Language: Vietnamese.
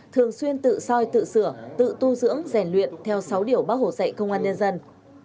thường xuyên tự soi tự sửa tự tu dưỡng rèn luyện theo sáu điều bác hồ dạy công an nhân dân